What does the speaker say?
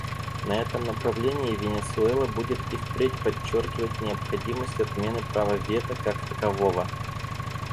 На этом направлении Венесуэла будет и впредь подчеркивать необходимость отмены права вето как такового.